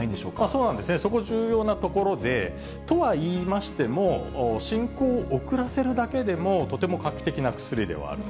そうなんです、そこ重要なところで、とは言いましても、進行を遅らせるだけでもとても画期的な薬ではある。